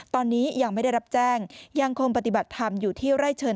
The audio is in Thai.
ตอนนี้ยังไม่ได้รับแจ้งยังคงปฏิบัติธรรมอยู่ที่ไร่เชิญ